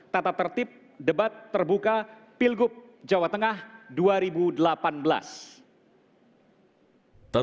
tata tertib debat terbuka pilgub jawa tengah dua ribu delapan belas